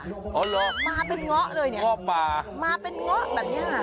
อ๋อเหรอง๊อป่าง๊อป่ามาเป็นง๊อเลยเนี่ยมาเป็นง๊อแบบนี้ค่ะ